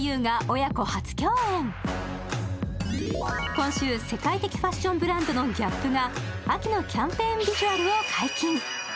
今週、世界的ファッションブランドのＧＡＰが秋のキャンペーンビジュアルを解禁。